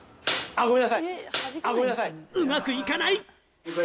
うまくいかない。